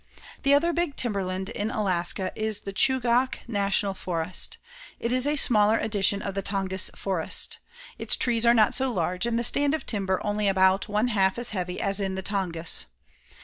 The other big timberland in Alaska is the Chugach National Forest. It is a smaller edition of the Tongass Forest. Its trees are not so large and the stand of timber only about one half as heavy as in the Tongass.